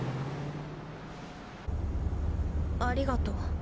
ありがとう。